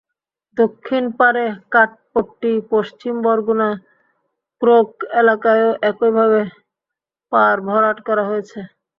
দক্ষিণ পাড়ে কাঠপট্টি, পশ্চিম বরগুনা, ক্রোক এলাকায়ও একইভাবে পাড় ভরাট করা হয়েছে।